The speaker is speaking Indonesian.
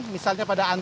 misalnya pada antun